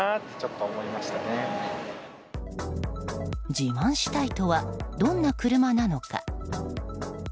自慢したいとはどんな車なのか。